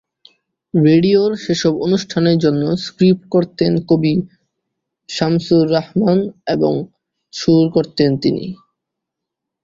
রেডিওর সেসব অনুষ্ঠানের জন্য স্ক্রিপ্ট করতেন কবি শামসুর রাহমান এবং সুর করতেন তিনি।